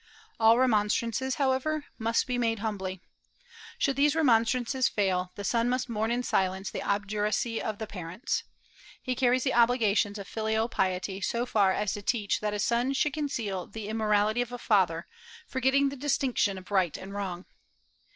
All remonstrances, however, must be made humbly. Should these remonstrances fail, the son must mourn in silence the obduracy of the parents. He carried the obligations of filial piety so far as to teach that a son should conceal the immorality of a father, forgetting the distinction of right and wrong.